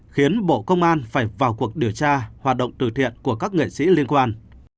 khiến bộ công an phải vào cuộc điều tra hoạt động từ thiện của các nghệ sĩ liên quan